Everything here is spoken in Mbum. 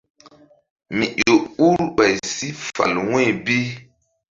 Mi ƴo ur ɓay si fal wu̧y bi.